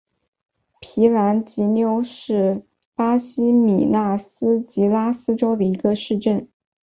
皮兰吉纽是巴西米纳斯吉拉斯州的一个市镇。